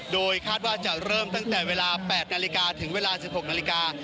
โดยคาดว่าจะเริ่มตั้งแต่เวลา๘นาฬิกาถึงเวลา๑๖นาฬิกา